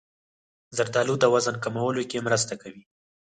زردالو د وزن کمولو کې مرسته کوي.